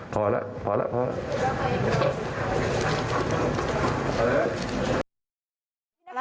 พอแล้วพอแล้วพอแล้ว